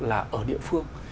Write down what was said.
là ở địa phương